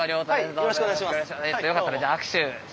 よろしくお願いします。